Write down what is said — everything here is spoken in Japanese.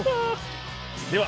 では。